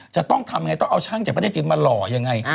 จะต้องทำยังไงต้องเอาช่างจากประเทศจีนมาหล่อยังไง